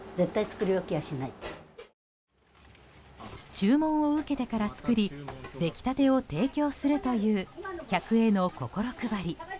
注文を受けてから作り出来たてを提供するという客への心配り。